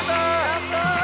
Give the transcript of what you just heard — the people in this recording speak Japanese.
やった！